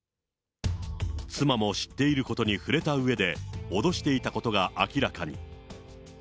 妻も知っていることに触れたうえで、脅していたことが明らかに。